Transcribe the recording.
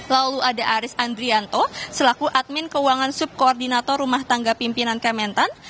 lalu ada aris andrianto selaku admin keuangan subkoordinator rumah tangga pimpinan kementan